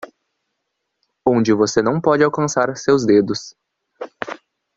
Onde você não pode alcançar seus dedos